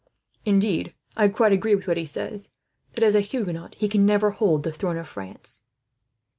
Indeed, I quite agree with what he says, that as a Huguenot he can never hold the throne of France."